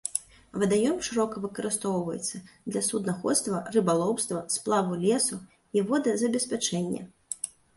Вадаём шырока выкарыстоўваецца для суднаходства, рыбалоўства, сплаву лесу і водазабеспячэння.